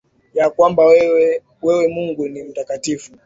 Ya kwamba wewe, wewe Mungu ni mtakatifu